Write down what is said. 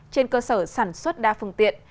trên cơ sở sản xuất đa phương tiện